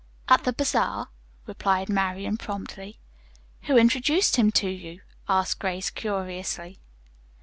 "At the bazaar," replied Marian promptly. "Who introduced him to you?" asked Grace curiously.